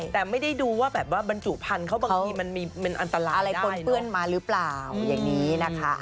แต่ไม่ได้ดูว่าแบบว่าบรรจุพันธุ์เขาบางทีมันมีเป็นอันตรายอะไรปนเปื้อนมาหรือเปล่าอย่างนี้นะคะ